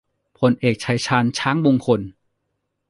พลเอก ชัยชาญ ช้างมงคล